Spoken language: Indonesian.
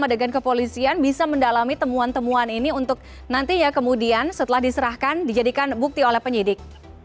bagaimana kemudian juga ppatk bisa mendalami temuan temuan ini untuk nantinya kemudian setelah diserahkan dijadikan bukti oleh penyidik